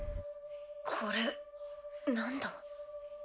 これなんだ？